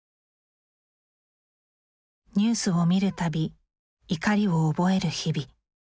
ニュースを見るたび怒りを覚える日々。